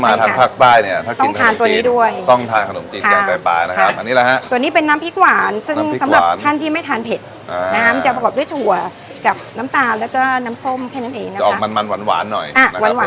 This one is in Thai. อันนี้เป็นแกงไตปลานะคะอันนี้จะมีโรงผักหลายชนิดเลยค่ะ